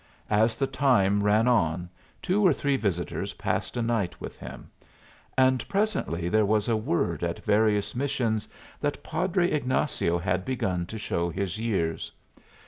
As the time ran on, two or three visitors passed a night with him; and presently there was a word at various missions that Padre Ignazio had begun to show his years.